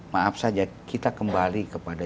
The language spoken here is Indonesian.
maaf saja kita kembali kepada